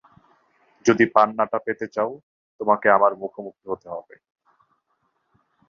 যদি পান্নাটা পেতে চাও, তোমাকে আমার মুখোমুখি হতে হবে।